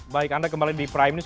baik anda kembali di prime news